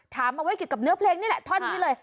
ถามเอาไว้เกี่ยวกับเนื้อเพลงนี่แหละท่อนนี้เลย